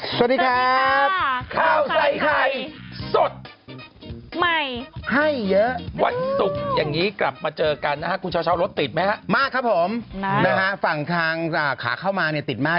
สวัสดีครับข้าวใส่ไข่สดใหม่ให้เยอะวันศุกร์อย่างนี้กลับมาเจอกันนะฮะคุณเช้ารถติดไหมฮะมากครับผมนะฮะฝั่งทางขาเข้ามาเนี่ยติดมาก